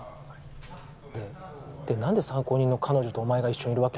はいでで何で参考人の彼女とお前が一緒にいるわけ？